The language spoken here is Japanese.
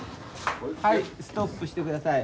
はいストップしてください。